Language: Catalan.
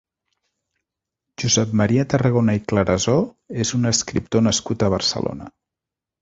Josep Maria Tarragona i Clarasó és un escriptor nascut a Barcelona.